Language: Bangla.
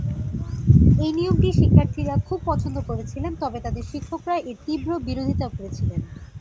এই নিয়মটি শিক্ষার্থীরা খুব পছন্দ করেছিলেন, তবে তাদের শিক্ষকরা এর তীব্র বিরোধিতা করেছিলেন।